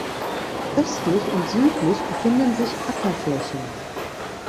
Östlich und südlich befinden sich Ackerflächen.